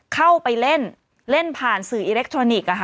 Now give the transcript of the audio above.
เข้าไปเล่นเล่นผ่านสื่ออิเล็กทรอนิกส์